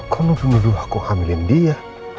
kamu dulu dulu aku hamilin dia